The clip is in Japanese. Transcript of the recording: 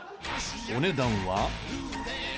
お値段は。